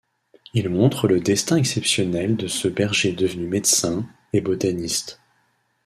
Il montre le destin exceptionnel de ce berger devenu médecin et botaniste.